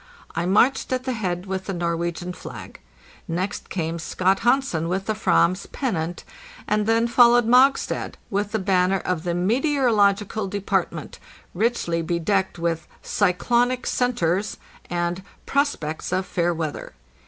I marched at the head with the Norwegian flag. Next came Scott Hansen with the /vam's pennant, and then followed Mogstad with the banner of the Meteorological Department, richly bedecked with "cyclonic centres" and "prospects of fair weather."